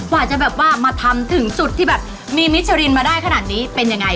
กว่าจะแบบว่ามาทำถึงจุดที่แบบมีมิชรินมาได้ขนาดนี้เป็นยังไง